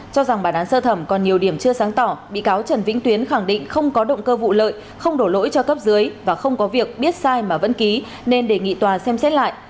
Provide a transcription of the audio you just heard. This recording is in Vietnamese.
cho rằng bản án sơ thẩm còn nhiều điểm chưa sáng tỏ bị cáo trần vĩnh tuyến khẳng định không có động cơ vụ lợi không đổ lỗi cho cấp dưới và không có việc biết sai mà vẫn ký nên đề nghị tòa xem xét lại